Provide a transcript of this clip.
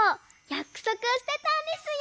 やくそくをしてたんですよ。